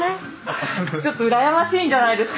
ちょっと羨ましいんじゃないですか？